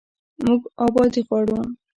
موږ ابادي غواړو